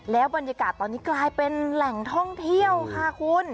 แล้วบรรยากาศตอนนี้กลายเป็นแหล่งท่องเที่ยวค่ะคุณ